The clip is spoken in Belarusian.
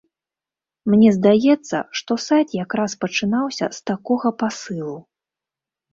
Мне здаецца, што сайт якраз пачынаўся з такога пасылу.